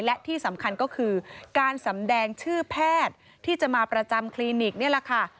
และที่สำคัญก็คือการสำแดงชื่อแพทย์ที่จะมาประจำคลินิกนี่แหละค่ะ